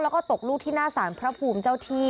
แล้วก็ตกลูกที่หน้าสารพระภูมิเจ้าที่